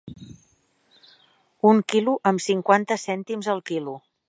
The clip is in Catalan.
Un quilo amb cinquanta cèntims el quilo.